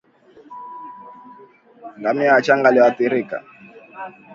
ngamia wachanga walioathirika